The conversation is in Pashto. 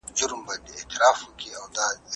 تاسو باید د پخلي ټول لوښي په پاکه ټوټه وچ کړئ.